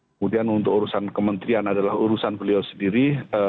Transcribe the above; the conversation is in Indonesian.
kemudian untuk urusan kementerian adalah urusan beliau sendiri